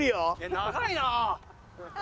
長いなあ。